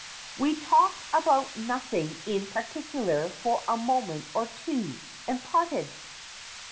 We talked about nothing in particular for a moment or two, and parted.